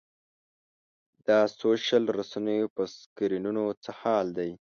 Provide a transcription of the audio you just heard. دا سوشل رسنیو په سکرینونو څه حال دی.